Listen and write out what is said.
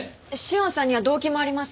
紫苑さんには動機もあります。